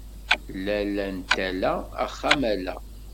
Lalla n tala axxam ala.